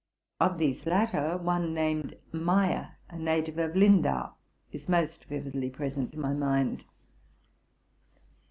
Of these latter, one named Meyer, a native of Lindau, is most vividly present to my mind.